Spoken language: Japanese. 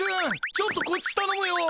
ちょっとこっちたのむよ！